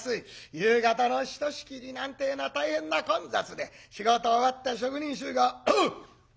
夕方のひとしきりなんてえのは大変な混雑で仕事終わった職人衆が「おうどうでえ